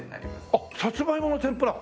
あっサツマイモの天ぷら。